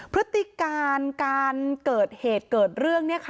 พฤติการการเกิดเหตุเกิดเรื่องเนี่ยค่ะ